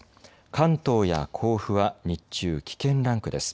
関東や甲府は日中危険ランクです。